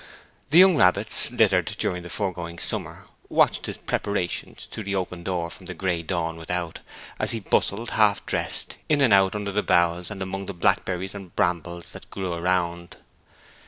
The young rabbits, littered during the foregoing summer, watched his preparations through the open door from the grey dawn without, as he bustled, half dressed, in and out under the boughs, and among the blackberries and brambles that grew around.